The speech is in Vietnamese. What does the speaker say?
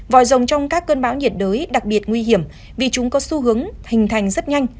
vòi rồng trong các cơn bão nhiệt đới đặc biệt nguy hiểm vì chúng có xu hướng hình thành rất nhanh